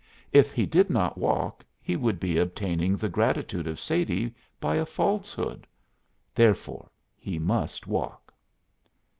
If he did not walk he would be obtaining the gratitude of Sadie by a falsehood. Therefore, he must walk.